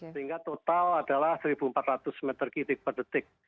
sehingga total adalah seribu empat ratus meter per detik